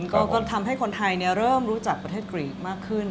ก็ทำให้คนไทยเริ่มรู้จักประเทศกรีกมากขึ้น